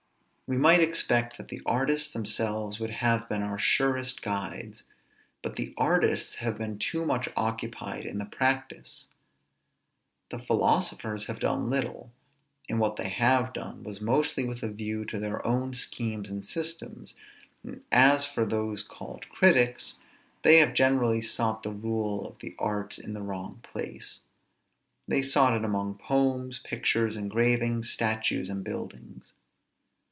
We might expect that the artists themselves would have been our surest guides; but the artists have been too much occupied in the practice: the philosophers have done little; and what they have done, was mostly with a view to their own schemes and systems; and as for those called critics, they have generally sought the rule of the arts in the wrong place; they sought it among poems, pictures, engravings, statues, and buildings.